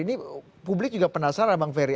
ini publik juga penasaran bang ferry